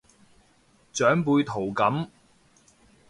長輩圖噉